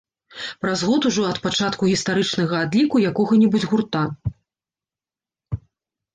Праз год ужо ад пачатку гістарычнага адліку якога-небудзь гурта.